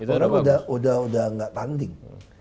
orang udah gak tanding